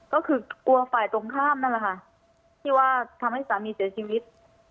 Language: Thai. ก็คือกลัวฝ่ายตรงข้ามนั่นแหละค่ะที่ว่าทำให้สามีเสียชีวิต